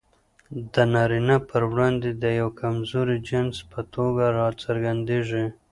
د نارينه پر وړاندې د يوه کمزوري جنس په توګه راڅرګندېږي.